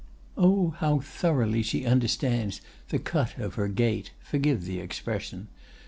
"Oh! how thoroughly she understands the cut of her gait—forgive the expression.